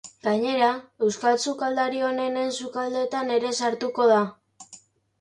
Gainera, euskal sukaldari onenen sukaldeetan ere sartuko da.